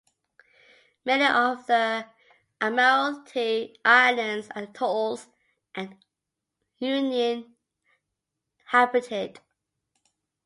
Many of the Admiralty Islands are atolls and uninhabited.